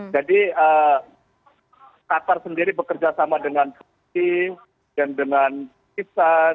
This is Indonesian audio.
jadi qatar sendiri bekerja sama dengan keputih dan dengan kisahan dengan amerika bahkan